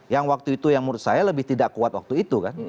yang waktu itu yang menurut saya lebih tidak kuat waktu itu kan